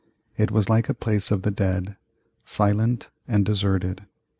It was like a place of the dead, silent and deserted.